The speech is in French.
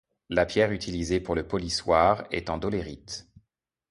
La pierre utilisée pour le polissoir est en dolérite.